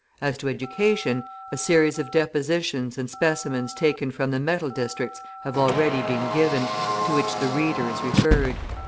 As to education, a series of depositions and specimens taken from the metal districts have already been given, {200a} to which the reader is referred.